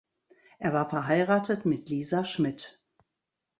Er war verheiratet mit Lisa Schmitt.